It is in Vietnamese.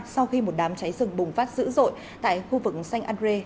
sau khi một đám cháy rừng bùng phát dữ dội tại khu vực san andré